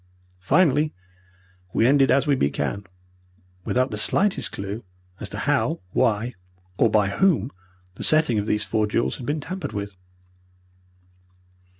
Finally, we ended as we began, without the slightest clue as to how, why, or by whom the setting of these four jewels had been tampered with.